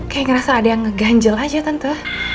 kayak ngerasa ada yang ngeganjel aja tentu